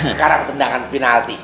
sekarang tendangan penalti